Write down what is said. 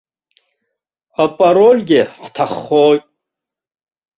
Апарольгьы ҳҭаххоит.